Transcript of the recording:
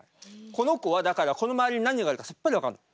この子はだからこの周りに何があるかさっぱり分からない。